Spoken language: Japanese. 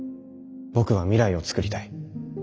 僕は未来を創りたい。